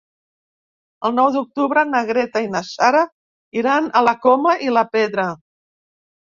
El nou d'octubre na Greta i na Sara iran a la Coma i la Pedra.